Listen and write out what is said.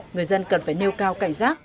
người dân cần phải nêu cao cảnh giác